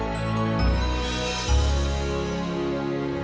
kamu percaya sama om